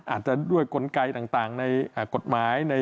อาจจะด้วยกลไกต่างในกฎหมาย